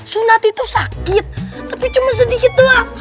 sedikit tapi cuma sedikit doang